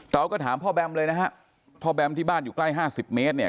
แต่เราก็ถามพ่อแบมเลยนะฮะพ่อแบมที่บ้านอยู่ใกล้๕๐เมตร